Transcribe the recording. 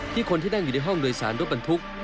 คนที่นั่งอยู่ในห้องโดยสารรถบรรทุก